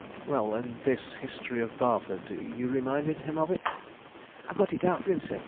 "Well and this History of Barford? You reminded him of it?" "I got it out for him, sir.